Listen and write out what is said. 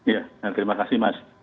ya terima kasih mas